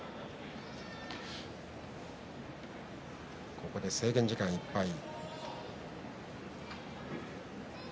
ここで制限時間いっぱい。